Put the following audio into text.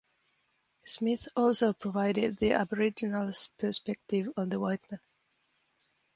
Smith also provided the Aboriginals perspective on the Whiteman.